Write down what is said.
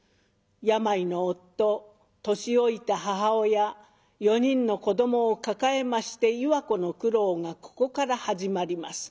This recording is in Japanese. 病の夫年老いた母親４人の子どもを抱えまして岩子の苦労がここから始まります。